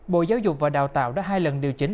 bộ giáo dục và đào tạo đã hai lần điều chỉnh